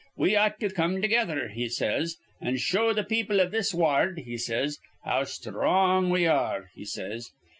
'We ought to come together,' he says, 'an' show the people iv this ward,' he says, 'how sthrong we are,' he says.